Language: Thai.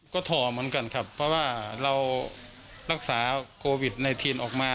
ก็ถ่อเหมือนกันครับเพราะว่าเรารักษาโควิดในทีนออกมา